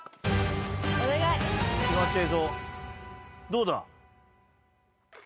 どうだ？